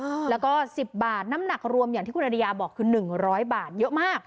อ่าแล้วก็สิบบาทน้ำหนักรวมอย่างที่คุณอริยาบอกคือหนึ่งร้อยบาทเยอะมาก